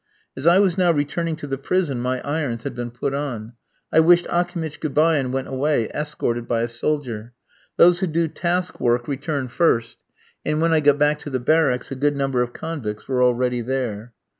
As I was now returning to the prison, my irons had been put on. I wished Akimitch good bye and went away, escorted by a soldier. Those who do task work return first, and, when I got back to the barracks, a good number of convicts were already there.